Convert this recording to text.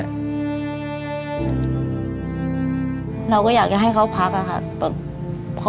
เราก็อยากจะให้เขาพักอะค่ะ